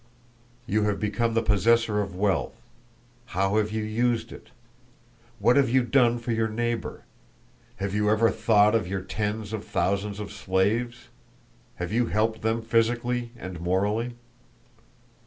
You have become the possessor of wealth. How have you used it? What have you done for your neighbor? Have you ever thought of your tens of thousands of slaves? Have you helped them physically and morally?